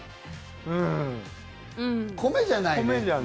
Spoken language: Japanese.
うん、米じゃない。